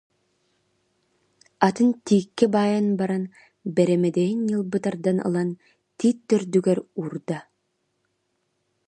Атын тииккэ баайан баран, бэрэмэ- дэйин ньылбы тардан ылан тиит төрдүгэр уурда